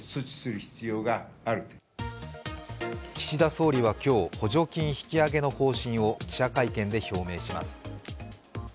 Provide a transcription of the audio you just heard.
岸田総理は今日、補助金引き上げの方針を記者会見で表明します。